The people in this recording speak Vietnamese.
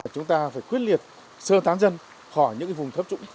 chúng ta phải quyết liệt sơ tán dân khỏi những vùng thấp trũng